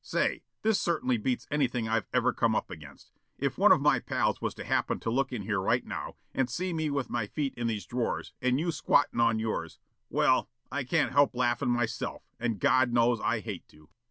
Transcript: "Say, this certainly beats anything I've ever come up against. If one of my pals was to happen to look in here right now and see me with my feet in these drawers and you squattin' on yours, well, I can't help laughin' myself, and God knows I hate to."